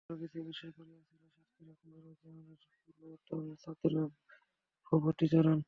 শেষপর্যন্ত রোগীর চিকিৎসা করিয়াছিল সাতগার কবিরাজ যামিনীর পূর্বতন ছাত্র ভূপতিচরণ।